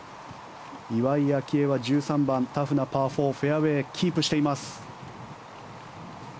岩井明愛は１３番、タフなパー４フェアウェーキープしています。